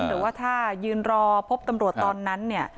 แต่ว่าถ้ายืนรอพบตำรวจตอนนั้นเนี่ย